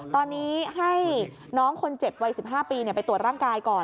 ตอนนี้ให้น้องคนเจ็บวัย๑๕ปีไปตรวจร่างกายก่อน